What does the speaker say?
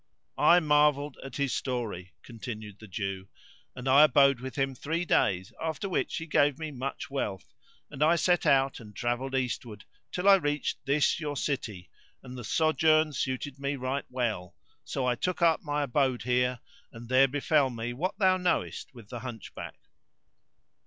I marvelled at his story (continued the Jew), and I abode with him three days after which he gave me much wealth, and I set out and travelled Eastward till I reached this your city and the sojourn suited me right well; so I took up my abode here and there befell me what thou knowest with the Hunchback.